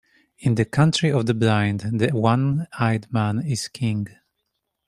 In the country of the blind, the one-eyed man is king.